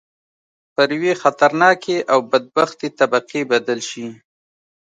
پر یوې خطرناکې او بدبختې طبقې بدل شي.